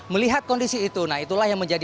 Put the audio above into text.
melihat kondisi itu itulah yang menjadi alasan